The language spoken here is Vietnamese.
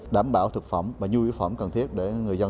đảm bảo thực phẩm và nhu yếu phẩm cần thiết để người dân